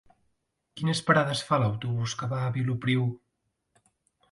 Quines parades fa l'autobús que va a Vilopriu?